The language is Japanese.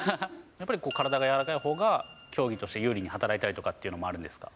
やっぱりこう、体が柔らかいほうが、競技として有利に働いたりとかってあるんですか。